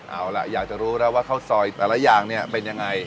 เอาล่ะอยากจะรู้แล้วว่าข้าวซอยแต่ละอย่างเนี่ยเป็นยังไง